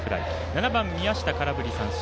７番、宮下、空振り三振。